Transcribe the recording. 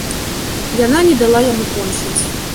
Яна не дала яму кончыць.